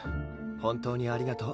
本当にありがとう